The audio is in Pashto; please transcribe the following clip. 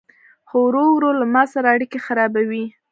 خو ورو ورو له ما سره اړيکي خرابوي